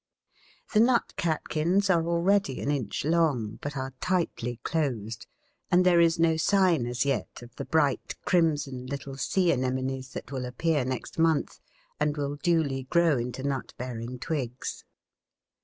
The nut catkins are already an inch long, but are tightly closed, and there is no sign as yet of the bright crimson little sea anemones that will appear next month and will duly grow into nut bearing twigs.